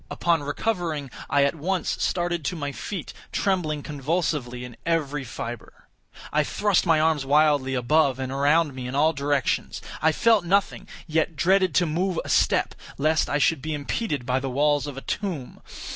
Upon recovering, I at once started to my feet, trembling convulsively in every fibre. I thrust my arms wildly above and around me in all directions. I felt nothing; yet dreaded to move a step, lest I should be impeded by the walls of a tomb.